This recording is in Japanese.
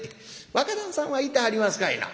「若旦さんはいてはりますかいな」。